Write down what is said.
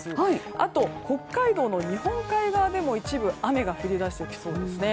あと北海道の日本海側でも一部雨が降り出してきそうです。